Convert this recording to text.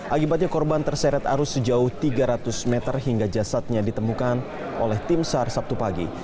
akibatnya korban terseret arus sejauh tiga ratus meter hingga jasadnya ditemukan oleh tim sar sabtu pagi